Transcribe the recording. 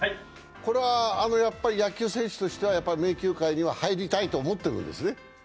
これは野球選手としては名球会には入りたいと思ってるんですね？